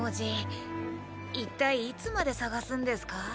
一体いつまで探すんですか？